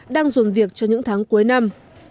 đang ruồn việc cho những tháng cuối năm